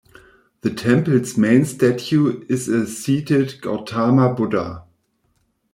The temple's main statue is a seated Gautama Buddha.